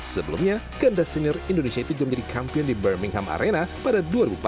sebelumnya ganda senior indonesia itu juga menjadi kampion di birmingham arena pada dua ribu empat belas